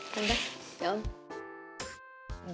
nanti ya om